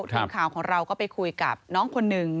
นี่ค่ะนอกจากคุณป้าท่านนี้แล้ว